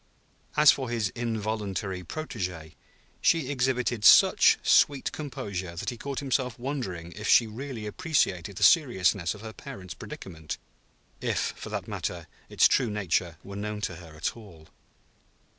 As for his involuntary protégée, she exhibited such sweet composure that he caught himself wondering if she really appreciated the seriousness of her parent's predicament; if, for that matter, its true nature were known to her at all.